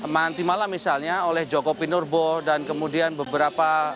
manti malam misalnya oleh jokowi nurbo dan kemudian beberapa